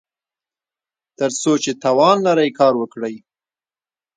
تر څو چې توان لرئ کار وکړئ.